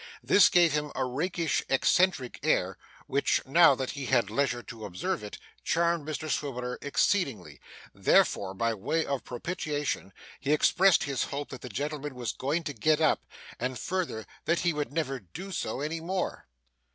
This gave him a rakish eccentric air which, now that he had leisure to observe it, charmed Mr Swiveller exceedingly; therefore, by way of propitiation, he expressed his hope that the gentleman was going to get up, and further that he would never do so any more.